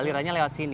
alirannya lewat sini